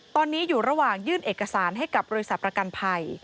ตอนนี้อยู่ระหว่างยื่นเอกสารให้กับบริษัทประกันภัย